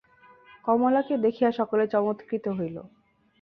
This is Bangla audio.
কমলাকে দেখিয়া সকলে চমৎকৃত হইল।